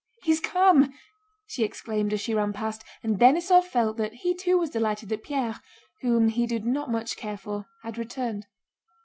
"He's come!" she exclaimed as she ran past, and Denísov felt that he too was delighted that Pierre, whom he did not much care for, had returned.